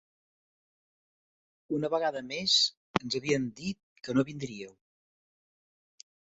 Una vegada més, ens havien dit que no vindríeu.